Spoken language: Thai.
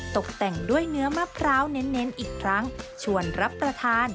ตกแต่งด้วยเนื้อมะพร้าวเน้นอีกครั้งชวนรับประทาน